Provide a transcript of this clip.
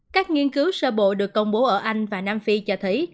các nghiên cứu sơ bộ được công bố ở anh và nam phi cho thấy